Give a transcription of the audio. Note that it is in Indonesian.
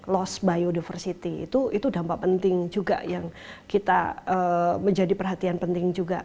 lost biodiversity itu dampak penting juga yang kita menjadi perhatian penting juga